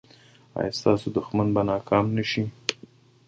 ایا ستاسو دښمن به ناکام نه شي؟